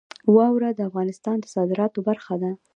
واوره د افغانستان د صادراتو برخه ده.